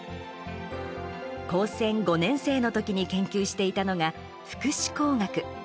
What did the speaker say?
高専５年生の時に研究していたのが、福祉工学。